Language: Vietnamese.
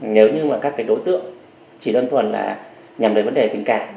nếu như các đối tượng chỉ đơn thuần là nhằm đến vấn đề tình cảm